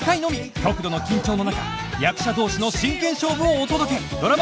極度の緊張の中役者同士の真剣勝負をお届け！